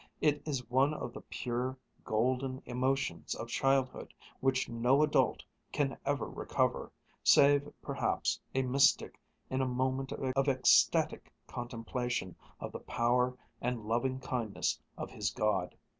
It is one of the pure golden emotions of childhood, which no adult can ever recover, save perhaps a mystic in a moment of ecstatic contemplation of the power and loving kindness of his God.